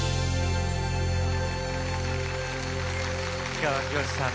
氷川きよしさん